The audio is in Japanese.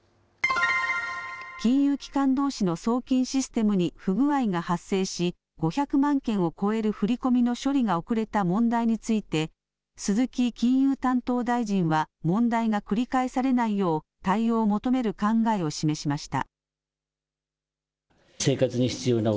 金融機関どうしの送金システムに不具合が発生し、５００万件を超える振り込みの処理が遅れた問題について、鈴木金融担当大臣は問題が繰り返されないよう、対応を求める考えを示しました。